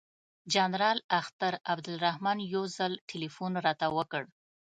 جنرال اختر عبدالرحمن یو ځل تلیفون راته وکړ.